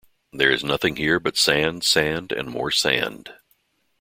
There is nothing here but sand, sand, and more sand.